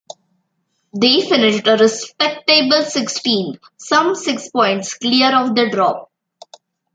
They finished a respectable sixteenth, some six points clear of the drop.